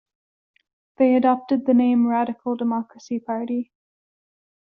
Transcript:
They adopted the name Radical Democracy Party.